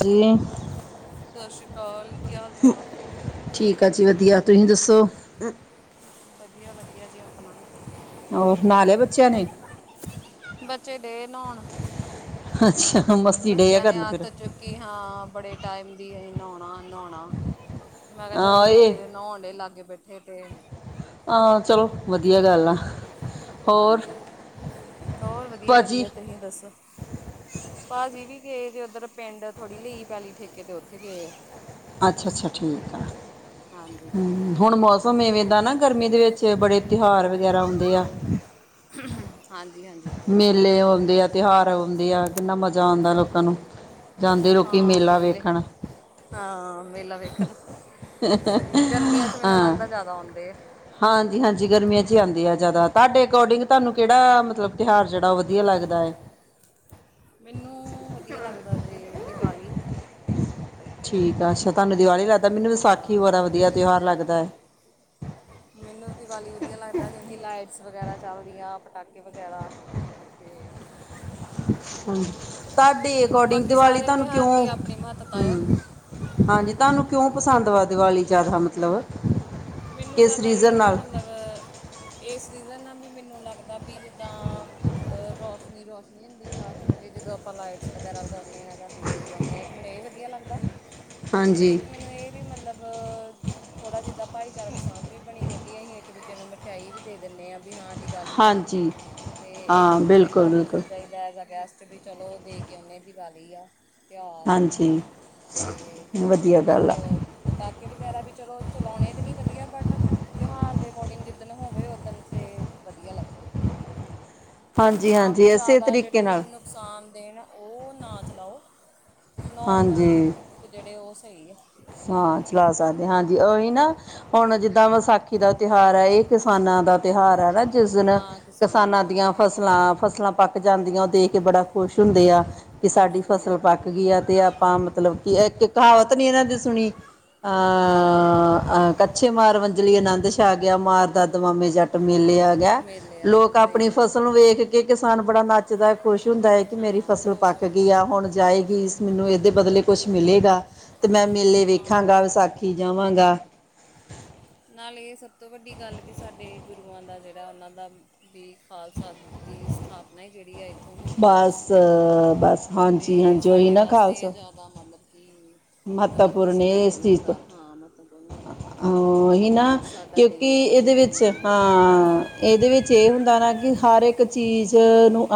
ਜੀ ਸਤਿ ਸ਼੍ਰੀ ਅਕਾਲ ਕੀ ਹਾਲ ਚਾਲ ਆ ਠੀਕ ਆ ਜੀ ਵਧੀਆ। ਤੁਸੀਂ ਦੱਸੋ? ਵਧੀਆ -ਵਧੀਆ ਜੀ ਆਪਣਾ। ਵੀ ਹੋਰ, ਨਾ ਲਿਆ ਬੱਚਿਆਂ ਨੇ। ਬੱਚੇ ਡੇ ਨਉਣ। ਅੱਛਾ, ਮਸਤੀ ਡੇ ਆ ਕਰਨ ਫੇਰ। ਕੀ ਹਾਂ, ਬੜੇ ਟਾਈਮ ਦੀ, ਅਹੀਂ ਨਾਉਣਾ- ਨਾਉਣਾ। ਮੈਂ ਕਿਆ ਚੱਲ ਹਾਂ ਜਿੰਨਾ ਚਿਰ- ਨੋ ਡੇ ਲਾਗੇ ਬੈਠੇ ਤੇ- ਆਂ ਚਲੋ, ਵਧੀਆ ਗੱਲ ਆ। ਹੋਰ ਹਾਂਜੀ- ਹੋਰ ਵਧੀਆ- ਭਾਜੀ ਵਧੀਆ ਤੁਸੀਂ ਦੱਸੋ। ਭਾਅਜੀ ਵੀ ਗਏ ਤੇ ਓਧਰ ਪਿੰਡ ਥੋੜ੍ਹੀ ਲਈ ਪੈਲੀ ਠੇਕੇ ਤੇ ਓਥੇ ਗਏ। ਅੱਛਾ -ਅੱਛਾ ਠੀਕ ਆ। ਹਾਂਜੀ ਹਮ ਹੁਣ ਮੌਸ- ਸਮ ਇਵੇਂ ਦਾ ਨਾ ਗਰਮੀ ਦੇ ਵਿੱਚ, ਬੜੇ ਤਿਉਹਾਰ ਵਗੈਰਾ ਆਉਂਦੇ ਆ। ਹੂੰ, ਹੂੰ ਹਾਂਜੀ ਹਾਂਜੀ ਮੇਲੇ ਆਉਂਦੇ ਆ, ਤਿਉਹਾਰ ਆਉਂਦੇ ਆ। ਕਿੰਨਾ ਮਜ਼ਾ ਆਉਂਦਾ ਲੋਕਾਂ ਨੂੰ। ਜਾਂਦੇ ਲੋਕੀ ਹਾਂ ਮੇਲਾ ਮੇਲੇ ਵੇਖਣ। ਹਾਂ ‌‌ਮੇਲਾ ਵੇਖਣ। ਸਈ ਗਰਮੀਆਂ 'ਚ ਮੈਨੂੰ ਹਾਂ ਲੱਗਦਾ ਜਿਆਦਾ ਆਉਂਦੇ ਆ। ਹਾਂਜੀ ਹਾਂਜੀ ਗਰਮੀਆਂ 'ਚ ਹੀ ਆਂਦੇ ਆ ਜਾਦਾ। -ਤਾਡੇ ਅਕੋਰਡਿੰਗ ਤਾਨੂੰ ਕੇੜਾ ਮਤਲਬ ਤਿਉਹਾਰ ਜੇੜਾ ਉਹ ਵਧੀਆ ਲੱਗਦਾ ਏ। ਮੈਨੂੰ ਵਧੀਆ ਲੱਗਦਾ ਜੇ ਦੀਵਾਲੀ। ਠੀਕ ਆ ਅੱਛਾ, ਤਾਨੂੰ ਦਿਵਾਲੀ ਲੱਗਦਾ ਮੈਨੂੰ ਵਿਸਾਖੀ ਹਾਂ ਬੜਾ ਵਧੀਆ ਤਿਉਹਾਰ ਲੱਗਦਾ ਏ। ਮਿਨੂੰ ਦੀਵਾਲੀ ਵਧੀਆ ਲੱਗਦਾ ਕਿਉਂਕਿ ਲਾਈਟਸ ਵਗੈਰਾ ਚੱਲਦੀਆਂ, ਪਟਾਕੇ ਵਗੈਰਾ। ਤੇ ਹੂੰ -ਤਾਡੇ ਅਕੋਰਡਿੰਗ ਬਾਕੀ ਦੀਵਾਲੀ ਸਾਰੇ ਤਾਨੂੰ ਤਿਉਹਾਰ ਕਿਉਂ ਦੀ ਆਪਣੀ ਮਹੱਤਤਾ ਆ ਹੂੰ ਹਾਂਜੀ ਤਾਨੂੰ ਕਿਉਂ ਪਸੰਦ ਵਾ ਦੀਵਾਲੀ ਜਾਦਾ ਮਤਲਬ। ਮੈਨੂੰ ਕਿਸ ਜਾਦਾ ਰੀਜ਼ਨ ਏ ਵੀ ਨਾਲ ਮਲਬ- ਏਸ ਰੀਜ਼ਨ ਨਾਲ ਵੀ ਮੈਨੂੰ ਲੱਗਦਾ ਵੀ ਜਿੱਦਾਂ- ਐ ਰੋਸ਼ਨੀ ਰੌਸ਼ਨੀ ਹੁੰਦੀ ਚਾਰ ਚੁਫੇਰੇ, ਜਦੋਂ ਆਪਾਂ ਲਾਈਟਸ ਵਗੈਰਾ ਲਗਾਨੇ ਆਂ ਜਾਂ ਦੀਵੇ ਜਗਾਨੇ ਆਂ। ਮੈਨੂੰ ਏ ਵਧੀਆ ਲੱਗਦਾ, ਤੇ ਹਾਂਜੀ ਇੱਕ ਮੈਨੂੰ ਏ ਵੀ ਮਤਲਬ ਥੋੜ੍ਹਾ ਜਿੱਦਾਂ- ਭਾਈਚਾਰਕ ਸਾਂਝ ਵੀ ਬਣੀ ਰੈਂਦੀ ਆ, ਅਹੀਂ ਇੱਕ ਦੂਜੇ ਨੂੰ ਮਿਠਿਆਈ ਵੀ ਦੇ ਦਿੰਦੇ ਆਂ। ਵੀ ਹਾਂ- ਇਹ ਗਲ਼ੀ ਹੈ ਹਾਂਜੀ ਤੇ ਇੱਕ ਹਾਂ ਦੂਜੇ ਦੇ ਬਿਲਕੁਲ ਘਰ ਵੀ ਬਿਲਕੁਲ ਚਲ ਜਾਈ ਦਾ। ਇਜ ਦ ਗੈਸਟ ਵੀ ਚਲੋ ਦੇ ਕੇ ਉਹਨੇ ਦੀਵਾਲੀ ਆ। ਤਿਉਹਾਰ ਹੈ ਹਾਂਜੀ ਤੇ ਵਧੀਆ ਇੱਕ। ਗੱਲ ਆ ਪਟਾਕੇ ਵਗੈਰਾ ਵੀ ਚਲੋ ਚਲਾਉਣੇ ਤਾਂ ਨਹੀਂ ਵਧੀਆ ਬਟ। ਤਿਉਹਾਰ ਦੇ ਅਕੋਰਡਿੰਗ ਜਿੱਦਣ ਹੋਵੇ ਉਦਣ ਤੇ ਵਧੀਆ ਲੱਗਦੇ। ਹਾਂਜੀ ਹਾਂ ਵੀ ਹਾਂਜੀ ਇਸੇ ਜ਼ਿਆਦਾ ਤਰੀਕੇ ਜਿਹੜੇ। ਨਾਲ ਨੁਕਸਾਨ ਦੇਣ ਉਹ ਨਾ ਚਲਾਓ ਨੌਰਮਲ। ਹਾਂਜੀ ਤੇ ਜਿਹੜੇ ਉਹ ਸਹੀ ਆ। ਹਾਂ ਚਲਾ ਸਕਦੇ ਹਾਂ ਹਾਂਜੀ ਉਹੀ ਨਾ ਹੁਣ ਜਿੱਦਾਂ ਵਿਸਾਖੀ ਦਾ। ਤਿਉਹਾਰ ਹੈ। ਇਹ ਕਿਸਾਨਾਂ ਦਾ ਤਿਉਹਾਰ ਹੈ, ਨਾ ਜਿਸ ਦਿਨ ਹਾਂ ਕਿਸਾਨਾਂ ਦਾ ਦੀਆਂ। ਫਸਲਾਂ ਫਸਲਾਂ ਪੱਕ ਜਾਂਦੀਆਂ ਉਹ ਦੇਖ ਕੇ ਬੜਾ ਖੁਸ਼ ਹੁੰਦੇ ਆ। ਕਿ ਖੁਸ਼ ਸਾਡੀ ਹੁੰਦੇ ਆ, ਫਸਲ ਪੱਕ ਹਾਂਜੀ ਗਈ ਆ ਤੇ ਆਪਾਂ ਮਤਲਬ, ਕਿ ਇੱਕ ਕਹਾਵਤ ਨੀ ਇਹਨਾਂ ਦੀ ਸੁਣੀ। ਅ ਅ ਕੱਛੇ ਮਾਰ ਵੰਜਲੀ ਆਨੰਦ ਛਾ ਆ ਗਿਆ। ਮਾਰ ਦਾਦਮਾਮੇ ਜੱਟ। ਜੱਟ ਮੇਲੇ ਹਮ, ਆ ਗਿਆ। ਮੇਲੇ ਆ ਗਿਆ ਲੋਕ ਸਹੀ ਆਪਣੀ ਗੱਲ ਫਸਲ ਨੂੰ ਵੇਖ ਕੇ ਕਿਸਾਨ ਬੜਾ ਨੱਚਦਾ ਹੈ, ਖੁਸ਼ ਹੁੰਦਾ ਹੈ, ਕਿ ਮੇਰੀ ਹਾਂ ਫਸਲ। ਖੁਸ਼ ਪੱਕ ਹੋ ਗਈ ਜਾਂਦੇ ਆ ਹੁਣ ਜਾਏਗੀ। ਮੈਨੂੰ ਇਹਦੇ ਬਦਲੇ ਕੁਛ ਮਿਲੇਗਾ। ਤੇ ਮੈਂ ਮੇਲੇ ਹਾਂ ਵੇਖਾਂਗਾ, ਕਿਉਂਕਿ ਵਿਸਾਖੀ ਜਾਵਾਂਗਾ। ਨਾਲੇ ਇਹ ਸਭ ਤੋਂ ਵੱਡੀ ਗੱਲ ਵੀ ਸਾਡੇ ਗੁਰੂਆਂ ਦਾ ਜਿਹੜਾ ਉਹਨਾਂ ਦਾ। ਵੀ ਖਾਲਸਾ ਦੀ ਸਥਾਪਨਾ ਇਹ ਜਿਹੜੀ ਹੈ ਇਹ। ਬਸ, ਬਸ ਹਾਂਜੀ, ਹਾਂਜੀ ਉਹੀ ਨਾ ਖ਼ਾਲਸਾ। ਦਾ ਮਤਲਬ ਕਿ ਮਤਲਬ ਖੁਸ਼ੀ ਦਾ ਇਹ ਦਿਨ ਹੁੰਦਾ ਹਾਂ। ਮਹੱਤਵਪੂਰਨ ਹੁੰਦਾ ਹੈ। ਹਾਂ ਇਹ ਨਾ ਕਿਉਂਕਿ ਸਾਡੇ ਇਹਦੇ ਵਿੱਚ ਗੁਰੂਆਂ ਨੇ ਹਾਂ। ਇਹਦੇ ਵਿੱਚ ਇਹ ਹੁੰਦਾ ਨਾ ਕਿ ਹਰ ਇੱਕ ਚੀਜ਼ ਨੂੰ।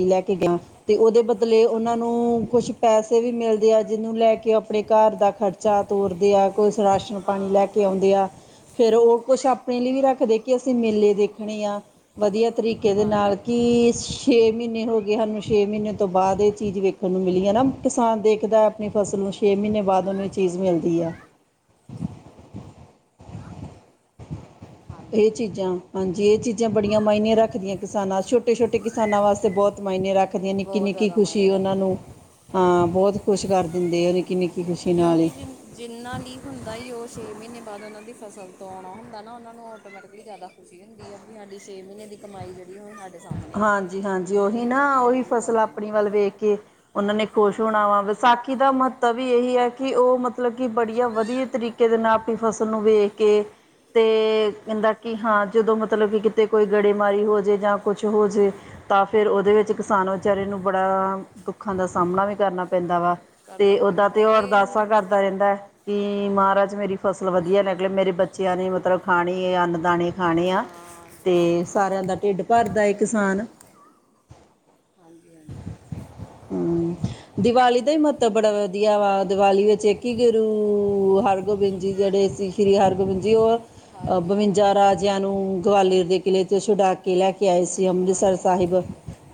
ਲੈ ਕੇ ਗਿਆ। ਤੇ ਉਹਦੇ ਬਦਲੇ ਉਹਨਾਂ ਹਾਂਜੀ ਨੂੰ ਕੁਛ ਪੈਸੇ ਵੀ ਮਿਲਦੇ ਆਂ। ਜਿਹਨੂੰ ਲੈ ਕੇ ਆਪਣੇ ਘਰ ਦਾ ਖਰਚਾ। ਖ਼ਰਚਾ ਤੋਰਦੇ ਆ ਕੁਛ ਰਾਸ਼ਨ ਪਾਣੀ ਲੈ ਹਾਂ ਕੇ ਕਰ ਆਉਂਦੇ ਆ। ਫੇਰ ਉਹ ਕੁਛ ਆਪਣੇ ਲਈ ਵੀ ਰੱਖਦੇ, ਕਿ ਅਸੀਂ ਮੇਲੇ ਦੇਖਣੇ ਆਂ। ਵਧੀਆ ਤਰੀਕੇ ਦੇ ਨਾਲ ਹਾਂਜੀ ਕਿ। ਛੇ ਮਹੀਨੇ ਹੋ ਗਏ ਸਾਨੂੰ, ਛੇ ਮਹੀਨੇ ਤੋਂ ਬਾਅਦ ਇਹ ਚੀਜ਼ ਵੇਖਣ ਨੂੰ ਮਿਲੀ ਹੈ ਨਾ ਕਿਸਾਨ ਦੇਖਦਾ‌ ਆਪਣੀ ਫਸਲ ਨੂੰ, ਛੇ ਮਹੀਨੇ ਬਾਅਦ ਉਹਨੂੰ ਇਹ ਖਾਲਸਾ ਚੀਜ਼ ਨੂੰ ਮਿਲਦੀ ਆ। ਹਾਂਜੀ ਹਾਂਜੀ ਇਹ ਹਾਂਜੀ ਚੀਜ਼ਾਂ, ਹਾਂਜੀ ਇਹ ਚੀਜ਼ਾਂ, ਬੜੀਆਂ ਮਾਇਨੇ ਰੱਖਦੀਆਂ ਕਿਸਾਨਾਂ ਛੋਟੇ ਛੋਟੇ ਕਿਸਾਨਾਂ ਵਾਸਤੇ ਬਹੁਤ ਮਾਇਨੇ ਰੱਖਦਿਆਂ, ਨਿੱਕੀ ਬਹੁਤ ਨਿੱਕੀ ਜ਼ਿਆਦਾ ਮਾਇਨੇ ਖੁਸ਼ੀ ਉਹਨਾਂ ਰੱਖਦਾ ਹੈ। ਨੂੰ ਹਾਂ, ਬਹੁਤ ਖੁਸ਼ ਕਰ ਦਿੰਦੇ ਹਾਂ ਨਿੱਕੀ ਨਿੱਕੀ। ਖੁਸ਼ੀ ਨਾਲ ਕਿਉਂਕਿ ਹੀ ‌ਜਿੰਨਾ, ਜਿੰਨਾ ਵੀਂ ਹੁੰਦਾ ਜੀ, ਉਹ ਛੇ ਮਹੀਨੇ ਬਾਅਦ ਉਹਨਾਂ ਦੀ ਫਸਲ ਤੋਂ ਆਉਣਾ ਹੁੰਦਾ ਨਾ, ਉਹਨਾਂ ਨੂੰ ਆਟੋਮੈਟਿਕਲੀ ਜ਼ਿਆਦਾ ਖੁਸ਼ੀ ਹੁੰਦੀ ਆ ਵੀ, ਸਾਡੀ ਛੇ ਮਹੀਨੇ ਦੀ ਕਮਾਈ ਜਿਹੜੀ ਆ ਉਹ ਸਾਡੀ ਹਾਂਜੀ ਹਾਂਜੀ, ਉਹੀ ਨਾ ਉਹੀ ਇਹਨੂੰ ਫਸਲ ਵਰਤਣਾ ਆਪਣੀ ਵੱਲ ਵੇਖ ਕੇ ਉਹਨਾਂ ਨੇ ਖੁਸ਼ ਹਾਂ ਹੋਣਾ ਵਾ ਵਿਸਾਖੀ ਦਾ ਮਹਤੱਤਾ ਵੀ ਇਹੀ ਹੈ ਕਿ, ਉਹ ਮਤਲਬ ਕਿ ਬੜੀਆ ਵਧੀਆ ਤਰੀਕੇ ਦੇ ਨਾਲ ਆਪਣੀ ਫਸਲ ਨੂੰ ਵੇਖ ਕੇ ਤੇ ਕਹਿੰਦਾ ਕਿ ਹਾਂ ਜਦੋਂ ਮਤਲਬ ਕਿ, ਕਿਤੇ ਕੋਈ ਗੜੇਮਾਰੀ ਹੋ ਜਾਵੇ ਜਾਂ ਕੁਛ ਹੋ ਜਾਵੇ ਤਾਂ ਫਿਰ ਉਹਦੇ ਵਿੱਚ ਕਿਸਾਨ ਵਿਚਾਰੇ ਨੂੰ ਬੜਾ, ਦੁੱਖਾਂ ਦਾ ਸਾਹਮਣਾ ਵੀ ਕਰਨਾ ਪੈਂਦਾ ਵਾ। ਕਰਨਾ ਤੇ ਓਦਾਂ ਪੈਂਦਾ ਤੇ ਉਹ ਇਹ ਹੀ ਅਰਦਾਸਾਂ ਕਰਦਾ ਰਹਿੰਦਾ ਹੈ। ਕਿ ਮਹਾਰਾਜ ਮੇਰੀ ਫਸਲ ਵਧੀਆ ਨਿਕਲੇ, ਮੇਰੇ ਬੱਚਿਆਂ ਨੇ ਮਤਲਬ ਖਾਣੀ ਏ ਅੰਨ ਦਾਣੇ ਖਾਣੇ ਆ ਹਾਂ ਤੇ ਸਾਰਿਆਂ ਦਾ ਢਿੱਡ ਭਰਦਾ ਏ ਕਿਸਾਨ। ਹਾਂਜੀ ਹਾਂਜੀ। ਹੂੰ, ਦੀਵਾਲੀ ਦਾ ਹੀ ਮਹੱਤਵ ਬੜਾ ਵਧੀਆ ਵਾ ਦੀਵਾਲੀ ਵਿੱਚ ਇੱਕ ਕੀ ਗੁਰੂ ਹਰਗੋਬਿੰਦ ਜੀ ਜਿਹੜੇ ਸੀ, ਸ਼੍ਰੀ ਹਰਗੋਬਿੰਦ ਜੀ ਉਹ ਅ ਹਾਂਜੀ ਬਵੰਜਾ ਰਾਜਿਆਂ ਨੂੰ ਗਵਾਲੀਅਰ ਦੇ ਚਲੋ ਕਿਲ੍ਹੇ ਤੇ ਛੁਡਾ ਕੇ ਲੈ ਕੇ ਆਏ। ਸੀ ਅੰਮ੍ਰਿਤਸਰ ਹਾਂਜੀ ਸਾਹਿਬ, ਹਾਂਜੀ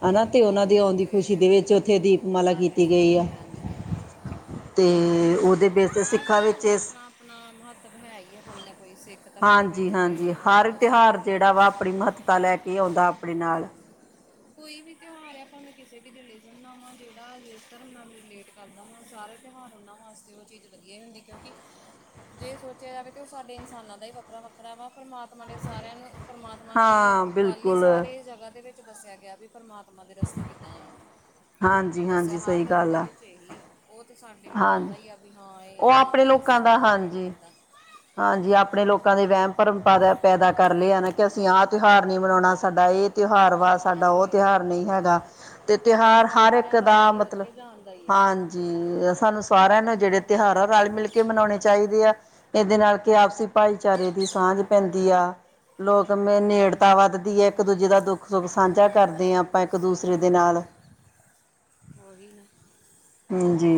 ਹਨਾ ਤੇ ਉਹਨਾਂ ਦੀ ਆਉਂਣ ਦੀ ਖੁਸ਼ੀ ਤੇ ਦੇ ਵਿੱਚ ਉੱਥੇ ਦੀਪਮਾਲਾ ਆਤਿਸ਼ ਕੀਤੀ ਗਈ ਆ। ਬਾਜੀ ਹਾਂਜੀ ਦੀਪਮਾਲ ਤੇ ਹਾਂ ਉਹੀ ਨਾ, ਉਹਦੇ ਬੇਸ ਤੇ ਹਰ ਸਿੱਖਾਂ ਤਿਉਹਾਰ ਵਿੱਚ ਦਾ ਇਸ ਆਪਣਾ ਆਪਣਾ ਮਹੱਤਵ ਹੈ ਹੀ ਹੈ ਕੋਈ ਨਾ ਕੋਈ ਧਰਮ ਦੇ ਵਿੱਚ ਹਾਂਜੀ ਤੇ ਹਾਂਜੀ, ਹਰ ਆਲਮੋਸਟ ਹੈ ਤਿਉਹਾਰ ਹੀ ਜਿਹੜਾ ਹੈ। ਵਾ ਆਪਣੀ ਮਹੱਤਤਾ ਲੈ ਕੇ ਆਉਂਦਾ ਆਪਣੇ ਨਾਲ ਕੋਈ ਵੀ ਤਿਉਹਾਰ ਏ ਭਾਵੇਂ ਕਿਸੇ ਵੀ ਰਿਲੇਜ਼ਨ ਦਾ ਵਾਂ, ਜਿੜਾ ਜਿਸ ਧਰਮ ਨਾਲ ਰਿਲੇਟ ਕਰਦਾ ਵਾਂ, ਹੁਣ ਸਾਰੇ ਤਿਉਹਾਰ ਉਹਨਾਂ ਵਾਸਤੇ ਉਹ ਚੀਜ਼ ਵਧੀਆ ਹੀ ਹੁੰਦੀ, ਕਿਉਂਕਿ ਜੇ ਸੋਚਿਆ ਜਾਵੇ ਤਾਂ ਉਹ ਸਾਡੇ ਇਨਸਾਨਾਂ ਦਾ ਹੀ ਵੱਖਰਾ ਵੱਖਰਾ ਵਾ, ਪਰਮਾ ਮਾਤਮਾ ਨੇ ਸਾਰਿਆਂ ਨੂੰ, ਪਰਮਾਤਮਾ ਨੇ ਹਾਂ ਵਾਲ ਹੀ ਬਿਲਕੁਲ ਸਾਰੇ ਜਗ੍ਹਾ ਦੇ ਵਿੱਚ ਵੱਸਿਆ ਗਿਆ ਵੀ ਪਰਮਾਤ ਤਮਾ ਦੇ ਰਸਤੇ ਕਿੱਦਾਂ ਜਾਣਾ ਵਾਂ, ਹਾਂਜੀ ਦੱਸਿਆ ਹਾਂਜੀ ਹਰ ਸਹੀ ਧਰਮ ਗੱਲ ਦੇ ਆ ਵਿੱਚ ਇਹੀ ਆ ਉਹ ਤੇ ਸਾਡੇ ਲੋਕਾਂ ਦਾ ਹਾਂਜੀ ਹੀ ਹੈ ਵੀ, ਹਾਂ ਉਹ ਇਹ ਆਪਣੇ ਇਸ ਲੋਕਾਂ ਧਰਮ ਦਾ ਨਾਲ ਰਿਲੇਟ ਹਾਂਜੀ ਕਰਦਾ ਹਾਂਜੀ, ਆਪਣੇ ਲੋਕਾਂ ਦੇ ਵਹਿਮ ਭਰਮ ਪੈਦਾ ਪੈਦਾ ਕਰ ਲਏ। [unintelligible] ਕਿ ਅਸੀਂ ਆਹ ਤਿਉਹਾਰ ਨਹੀਂ ਮਨਾਉਣਾ, ਸਾਡਾ ਇਹ ਤਿਉਹਾਰ ਵਾ, ਹਾਂ ਸਾਡਾ ਉਹ ਇਹ ਤੇ ਤਿਉਹਾਰ ਹਾਲ ਨਹੀਂ ਹੀ ਹੈਗਾ। ਤੇ ਆ। ਤਿਉਹਾਰ ਰਸਤਾ ਹਰ ਇੱਕ ਸਾਰਿਆਂ ਦਾ ਉਹੀ ਮਤਲਬ, ਉੱਥੇ ਜਾਣ ਦਾ ਹੀ ਆ ਹਾਂਜੀ ਸਾਨੂੰ ਸਾਰਿਆਂ ਨੂੰ ਜਿਹੜੇ ਤਿਉਹਾਰ ਆ, ਪਰਮਾਤਮਾ ਰਲ ਨਾਲ ਮਿਲ ਕੇ ਮਨਾਉਣੇ ਚਾਹੀਦੇ ਆ। ਇਹਦੇ ਨਾਲ ਕਿ ਆਪਸੀ ਭਾਈਚਾਰੇ ਦੀ ਸਾਂਝ ਪੈਂਦੀ ਆ, ਲੋਕ ਹਾਂਜੀ ਨੇੜਤਾ ਵੱਧਦੀ ਹੈ, ਇੱਕ ਦੂਜੇ ਦਾ ਦੁੱਖ ਸੁੱਖ ਸਾਂਝਾ ਕਰਦੇ ਹਾਂ ਆਪਾਂ ਇੱਕ ਦੂਸਰੇ ਸਾਂਝਾ ਦੇ ਕਰਦੇ ਨਾਲ ਉਹੀ ਨਾ ਹਮ ਜੀ,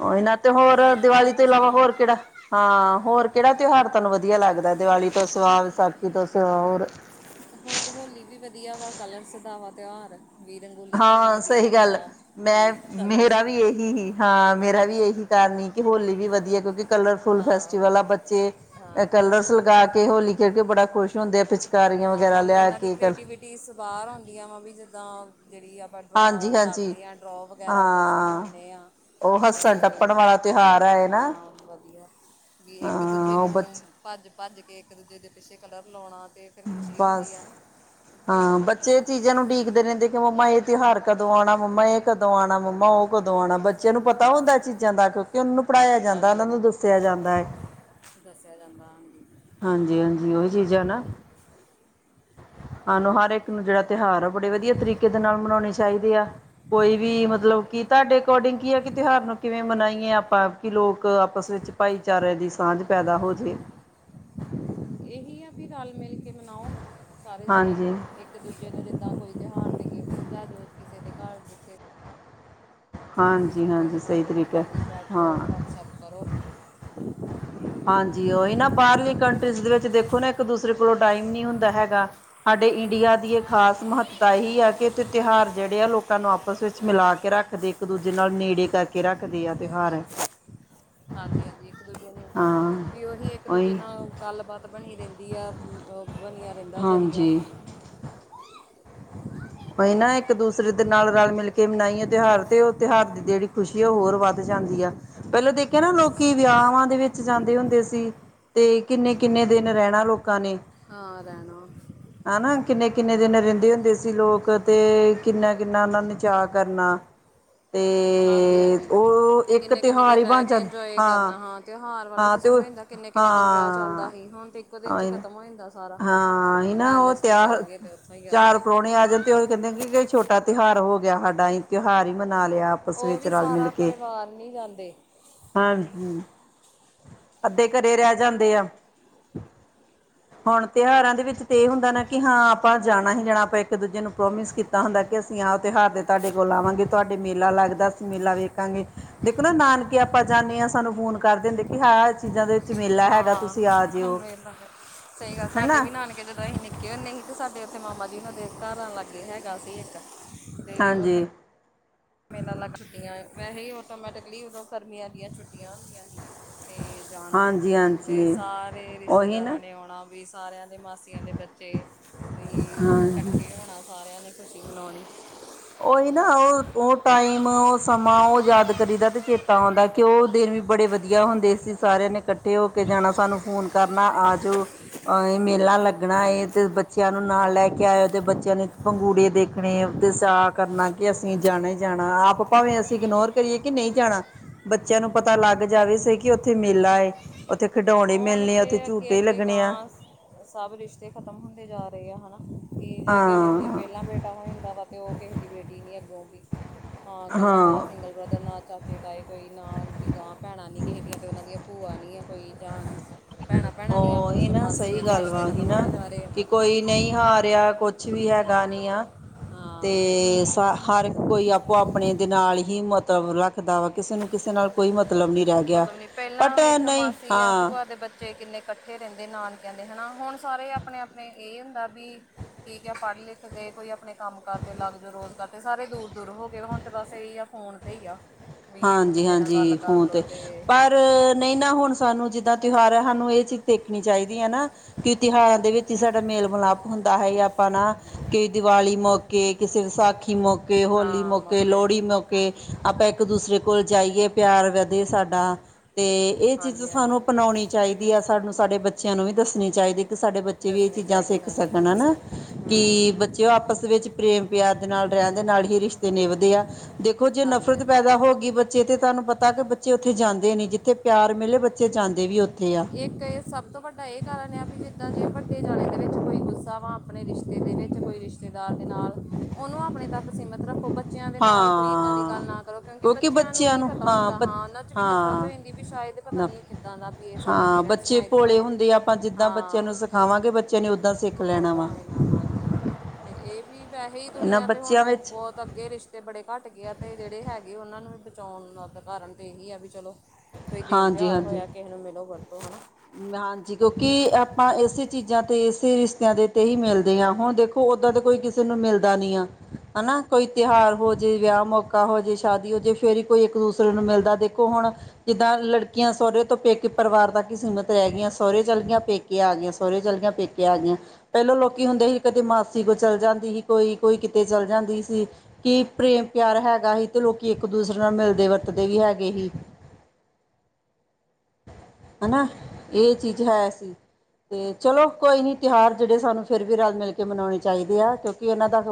ਉਹੀ ਨਾਂ ਤੇ ਹੋਰ ਪਰਮਾਤਮਾ ਦੀਵਾਲੀ ਤੋਂ ਤੇ ਇਲਾਵਾ ਸਾਰਿਆਂ ਹੋਰ ਨੂੰ ਕਿਹੜਾ ਹਾਂ ਹੋਰ ਕਿਹੜਾ ਤਿਉਹਾਰ ਤੁਹਾਨੂੰ ਵਧੀਆ ਲੱਗਦਾ, ਦੀਵਾਲੀ ਤੋਂ ਸਿਵਾ, ਵਿਸਾਖੀ ਤੋਂ ਸਿਵਾ ਹੋਰ ਹੋਰ ਹੋਲੀ ਵੀ ਵਧੀਆ ਵਾ, ਕਲਰਸ ਦਾ ਵਾ ਤਿਉਹਾਰ ਵੀ ਰੰਗੋਲੀ ਕਰਨਾ ਹਾਂ ਵਧੀਆ ਸਹੀ ਗੱਲ ਲੱਗਦਾ, ਮੈਂ ਵੀ ਕਲਰਸ ਮੇਰਾ ਵੀ [unintelligible] ਇਹੀ ਹੀ ਹਾਂ ਮੇਰਾ ਵੀ ਇਹੀ ਕਾਰਨ ਹੀ ਕਿ, ਹੋਲੀ ਵੀ ਵਧੀਆ ਕਿਉਂਕਿ ਕਲਰਫੁਲ ਹਾਂ ਫੈਸਟੀਵਲ ਹੋਲੀ ਆ ਬੱਚੇ, ਹਾਂ ਕਲਰਸ ਕਲਰਫੁਲ ਲਗਾ ਕੇ ਹੋਲੀ ਖੇਦ ਕੇ ਬੜਾ ਖੁਸ਼ ਹੁੰਦੇ ਆ ਪਿਛ ਪਿਚਕਾਰੀਆਂ ਅਹ ਵਗੈਰਾ ਨਾਲੇ ਲਿਆ ਉਹਨਾਂ ਦੀ ਕੇ, ਕਲ [unintelligible] ਬਾਹਰ ਆਉਂਦੀਆਂ ਵਾ ਵੀ, ਜਿੱਦਾਂ ਜਿਹੜੀ ਆਪ ਡਰੋ ਹਾਂਜੀ ਹਾਂਜੀ ਕਰਦੇ ਹਾਂ, ਡਰੋ ਵਗੈਰਾ ਕੁੱਛ ਹਾਂ ਬਣਾਉਂਨੇ ਆਂ। ਉਹ ਤੇ, ਹੱਸਣ ਟੱਪਣ ਵਾਲਾ ਤਿਉਹਾਰ ਹੈ ਨਾ ਹਾਂ ਵਧੀਆ। ਵੀ ਇੱਕ ਹਾਂ ਦੂਜੇ ਉਹ ਨੂੰ, ਬੱਚ ਭੱਜ-ਭੱਜ ਕੇ ਇੱਕ ਦੂਜੇ ਦੇ ਪਿੱਛੇ ਕਲਰ ਲਾਉਣਾ ਤੇ ਫਿਰ ਖੁਸ਼ੀ ਹੁੰਦੀ ਐ ਬਸ ਨਾ। ਹਾਂ, ਬੱਚੇ ਚੀਜ਼ਾਂ ਨੂੰ ਉਡੀਕਦੇ ਰਹਿੰਦੇ ਕਿ ਮੰਮਾ ਇਹ ਤਿਉਹਾਰ ਕਦੋਂ ਆਉਣਾ ਮੰਮਾ ਇਹ ਕਦੋਂ ਆਉਣਾ ਮੰਮਾ ਉਹ ਹਾਂਜੀ ਕਦੋਂ ਆਉਣਾ? ਬੱਚਿਆਂ ਨੂੰ ਪਤਾ ਹੁੰਦਾ ਏ ਚੀਜ਼ਾਂ ਦਾ ਕਿਊ? ਕਿ ਓਨੂੰ ਪੜ੍ਹਾਇਆ ਜਾਂਦਾ ਹਾਂਜੀ ਉਨਾਂ ਨੂੰ ਹਾਂਜੀ ਦੱਸਿਆ ਜਾਂਦਾ ਏ। ਦੱਸਿਆ ਜਾਂਦਾ, ਹਾਂਜੀ। ਹਾਂਜੀ-ਹਾਂਜੀ ਓਈ ਚੀਜ਼ਾਂ ਨਾ। ਹਾਂ ਨੂੰ ਹਰ ਇਕ ਨੂੰ ਜਿਹੜਾ ਤਿਉਹਾਰ ਅ ਬੜੇ ਵਧੀਆ ਤਰੀਕੇ ਦੇ ਨਾਲ ਮਨਾਉਣੇ ਚਾਹੀਦੇ ਆ, ਕੋਈ ਵੀ ਮਤਲਬ ਹਾਂਜੀ ਕਿ ਤੁਹਾਡੇ ਅਕੋਰਡਿੰਗ ਕੀ ਹੈ ਕਿ ਤਿਉਹਾਰ ਨੂੰ ਕਿਵੇਂ ਮਨਾਈਏ ਆਪਾਂ ਕਿ ਲੋਕ ਆਪਸ ਵਿੱਚ ਭਾਈ ਚਾਰੇ ਦੀ ਸਾਂਝ ਪੈਦਾ ਹੋ ਜੇ। ਇਹੀ ਐ ਫਿਰ ਰਲ ਮਿਲ ਕੇ ਮਨਾਓ, ਸਾਰੇ ਜਣੇ ਹਾਂਜੀ ਇੱਕ ਦੂਜੇ ਨੂੰ ਜਿੱਦਾਂ ਕੋਈ ਤਿਉਹਾਰ ਤੇ ਗਿਫਟ ਲੈ ਜਾਓ ਕਿਸੇ ਦੇ ਘਰ ਉੱਥੇ। ਤੁਸੀਂ ਹਾਂਜੀ ਦੂਜੇ ਦੇ ਹਾਂਜੀ ਨਾਲ ਸਹੀ ਤਰੀਕਾ ਨਿਰਧਾਨਗੀ ਬੈਠੋ ਹਾਂ ਗੱਪ-ਸ਼ੱਪ ਕਰੋ। ਹਾਂਜੀ ਓਈਨਾਂ ਬਾਹਰਲੀ ਕੰਟਰੀਜ਼ ਦੇ ਵਿੱਚ ਦੇਖੋ ਨਾ ਇੱਕ-ਦੂਸਰੇ ਕੋਲੋਂ ਟਾਈਮ ਨਹੀਂ ਹੁੰਦਾ ਹੈਗਾ। ਸਾਡੇ ਇੰਡੀਆ ਦੀ ਇਹ ਖਾਸ ਮਹੱਤਤਾ ਇਹੀ ਆ ਕਿ ਏੱਥੇ ਤਿਉਹਾਰ ਜਿਹੜੇ ਆ ਲੋਕਾਂ ਨੂੰ ਆਪਸ ਵਿੱਚ ਮਿਲਾ ਕੇ ਰੱਖ ਇੱਕ-ਦੂਜੇ ਨਾਲ ਨੇੜੇ ਕਰਕੇ ਰੱਖਦੇ ਆ ਤਿਉਹਾਰ। ਹਾਂਜੀ-ਹਾਂਜੀ ਇੱਕ-ਦੂਜੇ ਨੂੰ, ਹਾਂ ਵੀ ਓਹੀ ਇੱਕ-ਦੂਜੇ ਉਹੀ ਨਾਲ ਗੱਲਬਾਤ ਬਣੀ ਰਹਿੰਦੀ ਆ, ਅ ਬਣਿਆ ਰਹਿੰਦਾ ਜ਼ਰੀਆ। ਹਾਂਜੀ ਕੋਈ ਨਾ ਇੱਕ-ਦੂਸਰੇ ਦੇ ਨਾਲ ਰਲ-ਮਿਲ ਕੇ ਮਨਾਈਏ ਤਿਉਹਾਰ ਤੇ ਉੱਥੇ ਹੱਥ ਦੇਵੀ। ਖੁਸ਼ੀਆਂ ਹੋਰ ਵੱਧ ਜਾਂਦੀਆਂ, ਪਹਿਲਾਂ ਦੇਖਿਆ ਨਾ ਲੋਕੀ ਵਿਆਵਾਂ ਦੇ ਵਿੱਚ ਜਾਂਦੇ ਹੁੰਦੇ ਸੀ। ਤੇ ਕਿੰਨੇ-ਕਿੰਨੇ ਦਿਨ ਰਹਿਣਾ ਲੋਕਾਂ ਨੇ। ਹਾਂ, ਰਹਿਣਾ। ਹਾਂ ਨਾ ਕਿੰਨੇ-ਕਿੰਨੇ ਦਿਨ ਰਹਿੰਦੇ ਹੁੰਦੇ ਸੀ। ਤੀ ਲੋਕ ਤੇ ਕਿੰਨਾ-ਕਿੰਨਾ ਉਨ੍ਹਾਂ ਨੇ ਚਾਅ ਕਰਨਾ। ਤੇ ਹਾਂਜੀ-ਹਾਂਜੀ, ਉਹ ਇੱਕ ਕਿੰਨੇ-ਕਿੰਨੇ ਤਿਉਹਾਰ ਦਿਨ ਹੀ ਰਹਿ ਬਣ ਕੇ ਜਾਂਦਾ ਇੰਜੌਏ ਕਰਨਾ ਹਾਂ। ਤਿਉਹਾਰ ਵਾਲਾ ਹਾਂ ਤੇ ਸਿਸਟਮ ਉਹ ਐ ਇੱਦਾਂ ਕਿੰਨੇ-ਕਿੰਨੇ ਦਿਨ ਵਿਆਹ ਚੱਲਦਾ ਹਾਂ ਹੀ ਹੁਣ ਤੇ ਇੱਕੋ ਦਿਨ ਚ ਹੀ ਖ਼ਤਮ ਹੋ ਇੱਦਾਂ ਹਾਂ, ਹੀਣਾ ਓਹ ਤਿਆਰ, ਤੇ ਉੱਥੋਂ ਹੀ ਆ ਗਏ ਚਾਰ ਪਰੋਣੇ ਆ ਜਾਣ। ਤੇ ਓਹੀ ਕਹਿੰਦੇ ਨੇ ਛੋਟਾ ਤਿਉਹਾਰ ਹੋ ਗਿਆ ਸਾਡਾ ਤਿਉਹਾਰ ਹੀ ਮਨਾ ਲਿਆ ਅਪ। ਓਵੀ ਸਾਰਾ ਪਰਿਵਾਰ ਨੀ ਰਹਿੰਦੇ। ਹਾਂਜੀ। ਅੱਧੇ ਘਰੇ ਰਹਿ ਜਾਂਦੇ ਆ। [inaudible] ਹੁਣ ਤਿਉਹਾਰਾਂ ਦੇ ਵਿੱਚ ਤੇ ਇਹ ਹੁੰਦਾ ਨਾ ਕਿ ਹਾਂ ਆਪਾਂ ਜਾਣਾ ਹੀ ਜਾਣਾ ਆਪਾਂ ਇੱਕਦੂਜੇ ਨੂੰ ਪ੍ਰੋਮਿਸ ਕੀਤ। ਤਾਂ ਹੁੰਦਾ ਕਿ ਅਸੀਂ ਆਹ ਤਿਉਹਾਰ ਤੇ ਤੁਹਾਡੇ ਕੋਲ ਆਵਾਂਗੇ ਤੁਹਾਡੇ ਮੇਲਾ ਲੱਗਦਾ ਸੀ ਮੇਲਾ ਵੇਖਾਂਗੇ। ਦੇਖੋ ਨਾ ਨਾਨਕੇ ਆਪਾਂ ਜਾਂਦੇ ਹਾਂ ਸਾਨੂੰ ਫੋਨ ਕਰਦੇ ਹੁੰਦੇ ਕਿ ਹਾਂ ਚੀਜ਼ਾਂ ਦੇ ਮੇਲਾ ਹੈਗਾ ਹਾਂ, ਤੁਸੀਂ ਆ ਜਿਓ ਓਹੀ ਤਾਂ ਸਈ ਗੱਲ ਸਾਡੇ ਹਨਾ ਵੀ ਨਾਨਕੇ ਜਦੋਂ ਅਸੀਂ ਨਿੱਕ ਕਿਊ ਨਹੀਂ ਸੀ? ਸਾਡੇ ਉੱਥੇ ਮਾਮਾ ਜੀ ਉਹਨਾਂ ਦੇ ਘਰਾਂ ਲਾਗੇ ਹੈਗਾ ਸੀ ਇੱਕ। ਤੇ ਉੱਥੇ ਹਾਂਜੀ। ਮੇਲਾ ਲੱਗ ਛੁੱਟੀਆਂ ਏ, ਐਸੇ ਹੀ ਆਟੋਮੈਟਿਕਲੀ ਉਦੋਂ ਗਰਮੀਆਂ ਦੀਆਂ ਛੁੱਟੀਆਂ ਹੁੰਦੀਆਂ ਸੀ। ਤੇ ਜਾਣਾ, ਹਾਂਜੀ ਤੇ ਹਾਂਜੀ ਸਾਰੇ ਉਹੀ ਰਿਸ਼ਤੇਦਾਰਾਂ ਨਾ ਨੇ ਆਉਣਾ ਵੀ ਸਾਰਿਆਂ ਦੇ ਮਾਸ ਤਾਈਆਂ ਦੇ ਬੱਚੇ ਵੀ ਹਾਂਜੀ ਇਕੱਠੇ ਹੋਣਾ ਸਾਰਿਆਂ ਨੇ ਖੁਸ਼ੀ ਮਨਾਉਣੀ। ਓਈ ਨਾ, ਓਹ ਓ ਟਾਈਮ ਓਹ ਸਮਾਂ ਓ ਯਾਦ ਕਰੀਦਾ ਤੇ ਚੇਤਾ ਆਉਂਦਾ। ਓਹ ਦਿਨ ਵੀ ਬੜੇ ਵਧੀਆ ਹੁੰਦੇ ਸੀ ਸਾਰਿਆਂ ਨੇ ਇਕੱਠੇ ਹੋ ਕੇ ਜਾਣਾ ਸਾਨੂੰ ਫੋਨ ਕਰਨਾ ਆ ਜੋ। ਅਹ ਇਹ ਮੇਲਾ ਲੱਗਣਾ ਤੇ ਬਚ ਬੱਚਿਆਂ ਨੂੰ ਨਾਲ ਹਾਂ ਲੈ ਕੇ ਆਇਓ, ਬੱਚਿਆਂ ਨੇ ਪੰਗੂੜੇ ਦੇਖਣੇ ਚਾਅ ਕਰਨਾ ਕਿ ਅਸੀਂ ਜਾਣਾ ਹੀ ਜਾਣਾ, ਆਪ ਭਾਵੇਂ ਅਸੀਂ ਇਗਨੋਰ ਕਰੀਏ ਕਿ ਨਹੀਂ ਜਾਣਾ ਬੱਚਿਆਂ ਨੂੰ ਪਤਾ ਲੱਗ ਜਾਵੇ ਸੀ, ਕਿ ਉੱਥੇ ਮੇਲਾ ਏ ਉੱਥੇ ਖਿਡੋਨ ਹੁਣ ਤੇ ਅੱਗੇ ਅੱਗੇ ਗਾਹ ਸਭ ਰਿਸ਼ਤੇ ਖਤਮ ਹੁੰਦੇ ਜਾ ਰਹੇ ਆ ਹਨਾ, ਕਿ ਜੇ ਕਿਸੇ ਦੀ ਹਾਂ ਪਹਿਲਾਂ ਬੇੇਟਾ ਹੋ ਜਾਂਦਾ ਵਾ ਤੇ ਉਹ ਕਿਸੇ ਦੀ ਬੇਟੀ ਨੀ ਅੱਗੋਂ ਵੀ ਹਾਂ, ਇਕੱਲਾ ਇਕੱਲਾ ਸਿੰਗਲ ਬ੍ਰਦਰ ਨਾ 'ਚ ਚਾਚੇ, ਤਾਏੇ ਤਾਂ ਇਹ ਕੋਈ ਨਾ ਦੀਗਾਂ ਭੈਣਾਂ, ਨਿੱਕੀਆਂ ਨਿੱਕੀਆਂ ਕਿ ਅਤੇ ਉਹਨਾਂ ਦੀਆਂ ਭੂਆ ਨਹੀਂ ਹੈ ਕੋਈ ਜਾਂ ਭੈਣਾਂ ਭੈਣਾਂ ਨਹੀਂ ਆਪਸ ਉਹ 'ਚ ਨਾ ਸਹੀ ਮਾਸੀਆਂ ਦੇ ਗੱਲ ਰਿਸ਼ਤੇ ਵਾ ਹੀ ਖਤਮ ਨਾ, ਹੁੰਦੇ ਜਾ ਰਹੇ ਆ ਕਿ ਕੋਈ ਨਹੀਂ ਹਾਰਿਆ ਕੁਝ ਕੁਛ ਵੀ ਹੈਗਾ ਨਹੀਂ ਆ, ਹਾਂ ਤੇ ਹਰ ਕੋਈ ਆਪੋ ਆਪਣੇ ਦੇ ਨਾਲ ਹੀ ਮਤਲਬ ਰੱਖਦਾ ਵਾ, ਕਿਸੇ ਨੂੰ ਕਿਸੇ ਨਾਲ ਕੋਈ ਮਤਲਬ ਨੀ ਮਤਲਬ ਨਹੀਂ, ਪਹਿਲਾਂ ਦੇਖ ਮਾਸੀ‌ ਜਾਂ ਹਾਂ ਭੂਆ ਦੇ ਬੱਚੇ ਤੇ ਕਿੰਨੇ ਇਕੱਠੇ ਰਹਿੰਦੇ ਨਾਨਕੇ ਦੇ ਹਨਾ, ਹੁਣ ਸਾਰੇ ਆਪਣੇ ਆਪਣੇ ਇਹ ਹੁੰਦਾ ਵੀ ਠੀਕ ਹੈ ਪੜ੍ਹ ਲਿਖ ਗਏ, ਕੋਈ ਆਪਣੇ ਕੰਮ ਕਰਦੇ ਲੱਗ ਜਾ ਰੋਜ਼ ਕਰਦੇ ਸਾਰੇ ਦੂਰ ਦੂਰ ਹੋ ਗਏ, ਹੁਣ ਤਾਂ ਬਸ ਇਹੀ ਆ ਫੋਨ ਸਹੀ ਆ ਵੀ, ਇੱਕ ਹਾਂਜੀ ਦੂਜੇ ਨਾਲ ਗੱਲ ਹਾਂਜੀ ਕਰ ਫੋਨ ਲਓ ਤੇ ਅਤੇ ਪਰ ਨਹੀਂ ਨਾ ਹੁਣ ਸਾਨੂੰ ਜਿੱਦਾਂ ਤਿਉਹਾਰ ਹੈ, ਸਾਨੂੰ ਇਹ ਚੀਜ਼ ਦੇਖਣੀ ਚਾਹੀਦੀ ਹੈ ਨਾ ਕਿ ਤਿਉਹਾਰਾਂ ਦੇ ਵਿੱਚ ਹੀ ਸਾਡਾ ਮੇਲ ਮਿਲਾਪ ਹੁੰਦਾ ਹੈ ਆਪਾਂ ਨਾ ਕਈ ਦੀਵਾਲੀ ਮੌਕੇ, ਕਿਸੇ ਵਿਸਾਖੀ ਮੌਕੇ, ਹੋਲੀ ਮੌਕੇ, ਲੋਹੜੀ ਮੌਕੇ ਕੇ ਆਪਾਂ ਇੱਕ ਦੂਸਰੇ ਕੋਲ ਜਾਈਏ, ਪਿਆਰ ਵਧੇ ਸਾਡਾ ਤੇ ਇਹ ਚੀਜ਼ ਹਾਂਜੀ ਹਾਂਜੀ ਸਾਨੂੰ ਅਪਣਾਉਣੀ ਚਾਹੀਦੀ ਆ, ਸਾਨੂੰ ਸਾਡੇ ਬੱਚਿਆਂ ਨੂੰ ਵੀ ਦੱਸਣੀ ਚਾਹੀਦੀ। ਕਿ ਸਾਡੇ ਬੱਚੇ ਵੀ ਇਹ ਦੱਸਣੀ ਚੀਜ਼ਾਂ ਚਾਹੀਦੀ ਸਿੱਖ ਹਾਂਜੀ ਸਕਣ ਹਨਾ, ਕਿ ਬ ਬੱਚੇ ਹੂੰ ਦੇ ਆਪਸ ਵਿੱਚ ਪ੍ਰੇਮ ਪਿਆਰ ਦੇ ਨਾਲ ਰਹਿਣ ਦੇ ਨਾਲ ਹੀ ਰਿਸ਼ਤੇ ਨਿਭਦੇ ਆ, ਦੇਖੋ ਜੇ ਹਾਂਜੀ ਨਫ਼ਰਤ ਹਾਂਜੀ ਤਾਂ ਹੋ ਗਈ ਬੱਚੇ ਤੇ ਤੁਹਾਨੂੰ ਪਤਾ ਕਿ ਬੱਚੇ ਉੱਥੇ ਜਾਂਦੇ ਨਹੀਂ, ਜਿੱਥੇ ਪਿਆਰ ਮਿਲੇ ਬੱਚੇ ਜਾਂਦੇ ਵੀ ਉੱਥੇ ਆ [inaudible] ਇੱਕ ਇਹ ਸਭ ਤੋਂ ਵੱਡਾ ਇਹ ਕਾਰਨ ਆ ਵੀ ਜਿੱਦਾਂ ਜੇ ਵੱਡੇ ਜਾਣੇ ਦੇ ਵਿੱਚ ਕੋਈ ਗੁੱਸਾ ਵਾ, ਆਪਣੇ ਰਿਸ਼ਤੇ ਦੇ ਵਿੱਚ ਕੋਈ ਰਿਸ਼ਤੇ ਰਿਸ਼ਤੇਦਾਰ ਦੇ ਨਾਲ ਉਹਨੂੰ ਆਪਣੇ ਤੱਕ ਸੀਮਿਤ ਰੱਖੋ, ਬੱਚਿਆਂ ਦੇ ਨਾਲ ਕੋਈ ਇੱਦਾਂ ਦੀ ਹਾਂ ਗੱਲ ਨਾ ਕਰੋ, ਕਿਉਂਕਿ ਬੱਚਿਆਂ ਨੂੰ ਨਹੀਂ ਪਤਾ ਹੁੰਦਾ ਹਾਂ ਉਹਨਾਂ ' ਵੀ ਨਫ਼ਰਤ ਹੋ ਜਾਂਦੀ ਵੀ ਸ਼ਾਇਦ ਪਤਾ ਨਾ ਨਹੀ ਕਿਦਾਂ ਦਾ ਵੀ ਇਹ ਸਾਡੇ ਹਾਂ, ਪੇਰੈਂਟਸ ਬੱਚੇ ਨਾਲ ਇਦਾਂ ਭੋਲੇ ਵਾ ਹੁੰਦੇ ਆ ਆਪਾਂ ਜਿੱਦਾਂ ਬੱਚਿਆਂ ਹਾਂ ਨੂੰ ਸਿਖਾਵਾਂਗੇ ਬੱਚਿਆਂ ਨੇ ਓਦਾਂ ਸਿੱਖ ਲੈਣਾ ਉਦਾਂ ਵਾ। ਹੋਏ ਹਾਂਜੀ ਤੇ ਇਹ ਵੀ ਵੈਹੇੇੇ ਇਹਨਾਂ ਹੀ ਤੇ ਹੁਣ ਬੱਚਿਆਂ ਵਿੱਚ ਬਹੁਤ ਅੱਗੇ ਰਿਸ਼ਤੇ ਬੜੇ ਘੱਟ ਗਏ ਆ ਤੇ ਜਿਹੜੇ ਹੈਗੇ ਉਹਨਾਂ ਨੂੰ ਵੀ ਬਚਾਉਣ ਕਾਰਨ ਤੇ ਇਹੀ ਆ ਵੀ ਚਲੋ ਕੋਈ ਦਿਨ ਹਾਂਜੀ ਤਿਉਹਾਰ ਹਾਂਜੀ ਹੋਇਆ ਕਿਸੇ ਨੂੰ ਮਿਲੋ ਵਰਤੋ ਹਨਾ ਹਾਂਜੀ, ਕਿਉਂਕਿ ਆਪਾਂ ਇਸੇ ਚੀਜ਼ਾਂ ਤੇ ਇਸੇ ਰਿਸ਼ਤਿਆਂ ਦੇ ਤੇ ਹੀ ਮਿਲਦੇ ਹਾਂ, ਹੁਣ ਦੇਖੋ ਓਦਾਂ ਤੇ ਕੋਈ ਕਿਸੇ ਨੂੰ ਮਿਲਦਾ ਨੀ ਆ। ਹਨਾ ਕੋਈ ਤਿਉਹਾਰ ਹੋ ਜੇ, ਵਿਆਹ ਮੌਕਾ ਹੋ ਜੇ, ਸ਼ਾਦੀ ਹੋ ਜੇ, ਫੇਰ ਹੀ ਕੋਈ ਇੱਕ ਦੂਸਰੇ ਨੂੰ ਮਿਲਦਾ ਦੇਖੋ ਹੁਣ ਜਿੱਦਾਂ ਲੜਕੀਆਂ ਸਹੁਰੇ ਤੋਂ ਪੇਕੇ ਪਰਿਵਾਰ ਤਕ ਹੀ ਸੀਮਿਤ ਰਹਿ ਗਈਆਂ ਸਹੁਰੇ ਚਲੇ ਗਈਆਂ, ਪੇਕੇ ਆ ਗਈਆਂ, ਸਹੁਰੇ ਚਲੇ ਗਈਆਂ, ਪੇਕੇ ਆ ਗਈਆਂ। ਪਹਿਲੋਂ ਲੋਕੀ ਹੁੰਦੇ ਸੀ ਕਦੇ ਮਾਸੀ ਕੋ ਚਲ ਜਾਂਦੀ ਸੀ, ਕੋਈ ਕੋਈ ਕਿਤੇ ਚਲ ਜਾਂਦੀ ਸੀ ਕਿ ਪ੍ਰੇਮ ਪਿਆਰ ਹੈਗਾ ਸੀ ਤੇ ਲੋਕੀ ਇੱਕ ਦੂਸਰੇ ਨਾਲ ਮਿਲਦੇ ਵਰਤਦੇ ਵੀ ਹੈਗੇ ਹੀ। ਹਨਾ, ਇਹ ਚੀਜ਼ ਹੈ ਸੀ। ਤੇ ਚਲੋ ਕੋਈ ਨਹੀਂ, ਤਿਉਹਾਰ ਜਿਹੜੇ ਸਾਨੂੰ ਫਿਰ ਵੀ ਰਲ ਮਿਲ ਕੇ ਮਨਾਉਣੇ ਚਾਹੀਦੇ ਆ ਕਿਉਂਕਿ ਇਹਨਾਂ ਦਾ